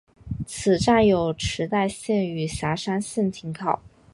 此站有池袋线与狭山线停靠。